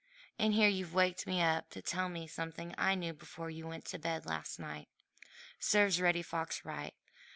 And here you've waked me up to tell me something I knew before you went to bed last night! Serves Reddy Fox right.